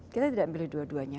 kita tidak milih dua duanya